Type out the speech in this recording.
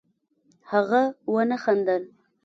هغه ونه خندل